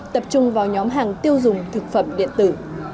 tập trung vào nhóm hàng tiêu dùng thực phẩm điện tử